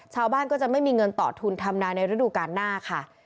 ชาวบ้านก็จะไม่มีเงินต่อทุนทำนาในฤดูกาลหน้าค่ะ